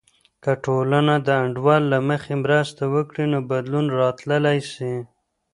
که ټولنه د انډول له مخې مرسته وکړي، نو بدلون راتللی سي.